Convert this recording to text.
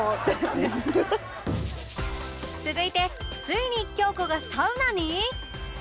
続いてついに京子がサウナに？